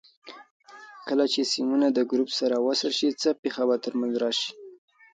کله چې سیمونه د ګروپ سره وصل شي څه پېښه به تر منځ راشي؟